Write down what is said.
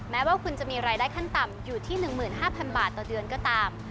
แม้ว่าคุณจะมีรายได้ขั้นต่ำอยู่ที่๑๕๐๐บาทต่อเดือนก็ตาม